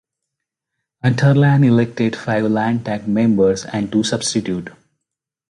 Unterland elected five Landtag members and two substitute.